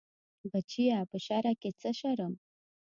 بچيه په شرع کې څه شرم.